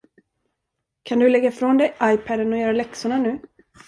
Kan du lägga ifrån dig iPaden och göra läxorna nu?